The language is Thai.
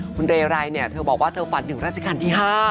คุณเรไรเนี่ยเธอบอกว่าเธอฝันถึงราชการที่๕